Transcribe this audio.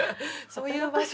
そういう場所？